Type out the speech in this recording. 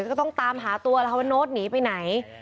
ก็ต้องตามหาตัวแล้วค่ะว่าโน้ตหนีไปไหน